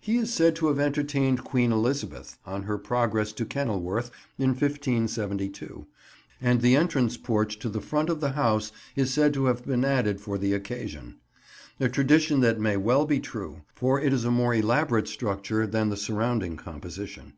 He is said to have entertained Queen Elizabeth on her progress to Kenilworth, in 1572, and the entrance porch to the front of the house is said to have been added for the occasion; a tradition that may well be true, for it is a more elaborate structure than the surrounding composition.